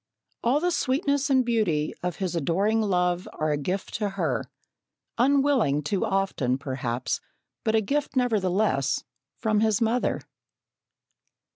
All the sweetness and beauty of his adoring love are a gift to her, unwilling too often, perhaps, but a gift nevertheless, from his mother.